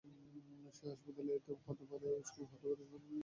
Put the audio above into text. সেটা হাসপাতাল হতে পারে, স্কুল হতে পারে, কোনো একটা অফিস হতে পারে।